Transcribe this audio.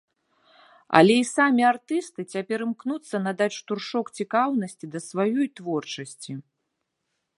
Але і самі артысты цяпер імкнуцца надаць штуршок цікаўнасці да сваёй творчасці.